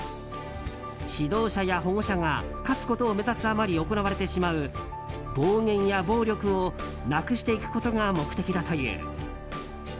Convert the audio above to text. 指導者や保護者が勝つことを目指す余り行われてしまう暴言や暴力をなくしていくことが目的だという。